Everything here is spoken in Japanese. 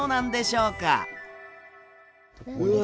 うわ！